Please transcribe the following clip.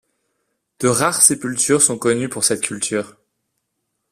De rares sépultures sont connues pour cette culture.